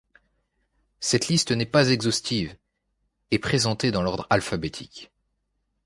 Cette liste n'est pas exhaustive et présentée dans l'ordre alphabétique.